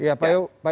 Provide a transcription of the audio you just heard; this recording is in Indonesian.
ya pak iwan